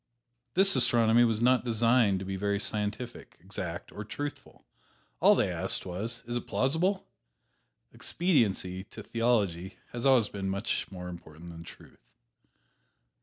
This astronomy was not designed to be very scientific, exact or truthful all they asked was, "Is it plausible?" Expediency, to theology, has always been much more important than truth.